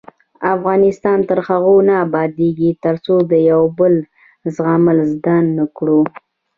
افغانستان تر هغو نه ابادیږي، ترڅو د یو بل زغمل زده نکړو.